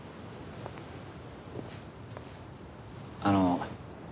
あの。